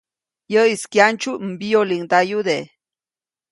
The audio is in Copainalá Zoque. Yäʼis kyandsyu mbiyoliŋdayude.